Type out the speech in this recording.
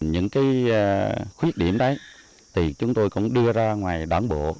những cái khuyết điểm đấy thì chúng tôi cũng đưa ra ngoài đảng bộ